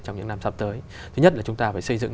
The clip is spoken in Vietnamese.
trong những năm sắp tới thứ nhất là chúng ta phải xây dựng